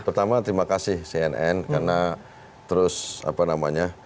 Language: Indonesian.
pertama terima kasih cnn karena terus apa namanya